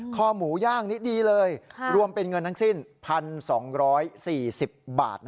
คอหมูย่างนี้ดีเลยรวมเป็นเงินทั้งสิ้น๑๒๔๐บาท